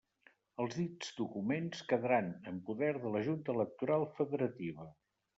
Els dits documents quedaran en poder de la junta electoral federativa.